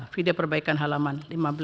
video perbaikan halaman lima belas